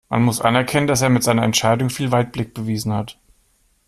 Man muss anerkennen, dass er mit seiner Entscheidung viel Weitblick bewiesen hat.